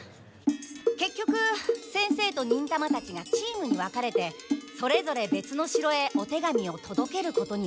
結局先生と忍たまたちがチームに分かれてそれぞれ別の城へお手紙を届けることになったんだ。